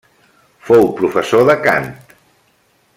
Fou professor de cant.